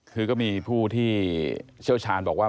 คือก็มีผู้ที่เชี่ยวชาญบอกว่า